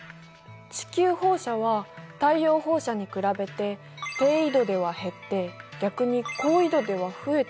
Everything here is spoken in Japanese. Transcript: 地球放射は太陽放射に比べて低緯度では減って逆に高緯度では増えている。